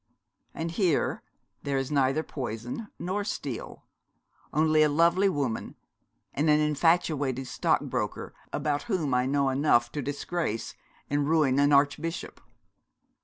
And here there is neither poison nor steel, only a lovely woman, and an infatuated stockbroker, about whom I know enough to disgrace and ruin an archbishop.